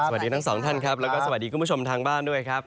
สวัสดีทั้งสองท่านครับแล้วก็สวัสดีคุณผู้ชมทางบ้านด้วยครับ